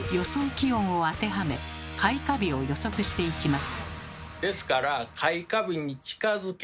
気温を当てはめ開花日を予測していきます。